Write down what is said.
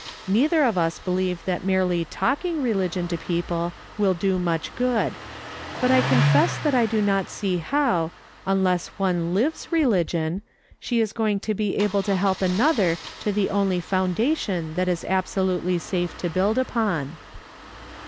Neither of us believe that merely talking religion to people will do much good ; but I confess that I do not see how, unless one lives religion, she is going to be able to help another to the only foundation that is abso lutely safe to build upon."